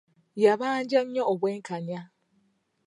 Yabanja nnyo obwenkanya.